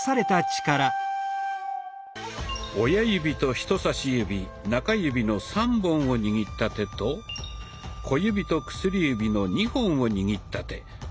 親指と人さし指中指の３本を握った手と小指と薬指の２本を握った手。